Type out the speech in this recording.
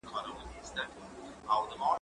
زه پرون ښوونځی ته ځم وم؟